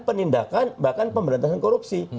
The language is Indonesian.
penindakan bahkan pemberantasan korupsi